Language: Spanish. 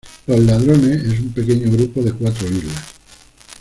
Los Ladrones es un pequeño grupo de cuatro islas.